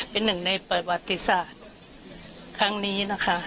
เป็นหนึ่งในประวัติศาสตร์ครั้งนี้นะคะ